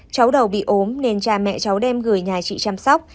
cháu đầu bị ốm nên cha mẹ cháu đem gửi nhà chị chăm sóc